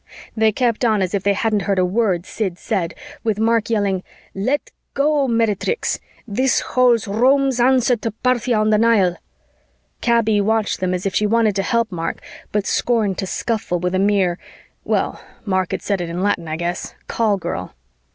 They kept on as if they hadn't heard a word Sid said, with Mark yelling, "Let go, meretrix! This holds Rome's answer to Parthia on the Nile." Kaby watched them as if she wanted to help Mark but scorned to scuffle with a mere well, Mark had said it in Latin, I guess call girl.